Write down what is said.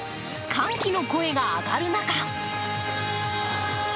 歓喜の声が上がる中